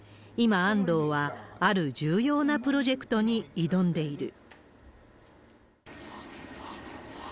今、安藤はある重要なプロジェクトに挑んでいる。